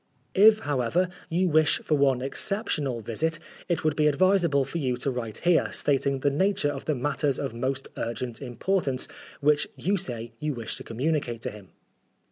If, however, 199 Oscar Wilde you wish for one exceptional visit, it would be advisable for you to write here, stating the nature of the ' matters of most urgent importance ' which you say you wish to communicate to him."